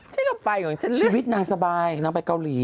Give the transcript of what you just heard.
ชิคกี้พายของฉันเล่นชีวิตน่าสบายน่าไปเกาหลี